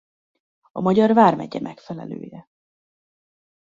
A magyar vármegye megfelelője.